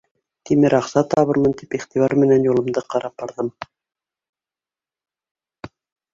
Тимер аҡса табырмын тип иғтибар менән юлымды ҡарап барҙым.